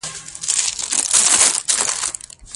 ماضي دقیق انتخاب د معنی ساتني له پاره اړین دئ.